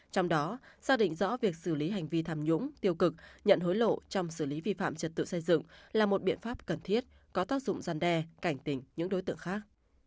trong đó xác định rõ việc xử lý hành vi tham nhũng tiêu cực nhận hối lộ trong xử lý vi phạm trật tự xây dựng là một biện pháp cần thiết có tác dụng gian đe cảnh tỉnh những đối tượng khác